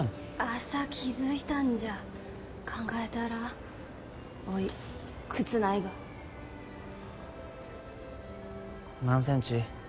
朝気づいたんじゃ考えたらおい靴ないが何センチ？